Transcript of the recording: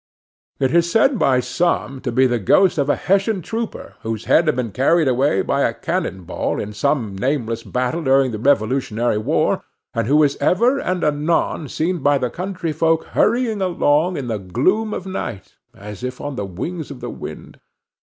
It is said by some to be the ghost of a Hessian trooper, whose head had been carried away by a cannon ball, in some nameless battle during the Revolutionary War, and who is ever and anon seen by the country folk hurrying along in the gloom of night, as if on the wings of the wind.